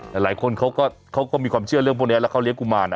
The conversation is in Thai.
หลายคนเขาก็มีความเชื่อเรื่องพวกนี้แล้วเขาเลี้ยกุมารนะ